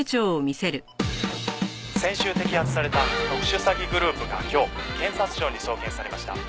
「先週摘発された特殊詐欺グループが今日検察庁に送検されました」